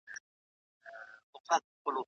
ټکنالوژي معلومات چټک لېږدوي.